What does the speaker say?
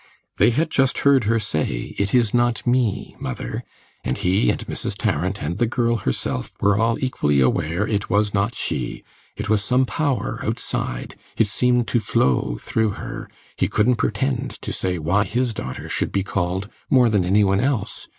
They had just heard her say, "It is not me, mother," and he and Mrs. Tarrant and the girl herself were all equally aware it was not she. It was some power outside it seemed to flow through her; he couldn't pretend to say why his daughter should be called, more than any one else.